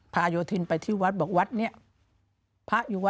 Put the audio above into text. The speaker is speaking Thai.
แล้วก็ไปที่บ้านอีก